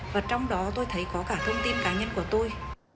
và trong đó tôi thấy có cả thông tin cá nhân của tôi